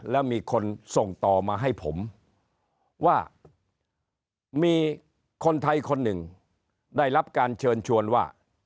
แล้วมีคนส่งต่อมาให้ผมว่ามีคนไทยคนหนึ่งได้รับการเชิญชวนว่า